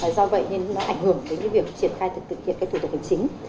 do vậy nên nó ảnh hưởng đến những việc triển khai thực hiện cái thủ tục hình chính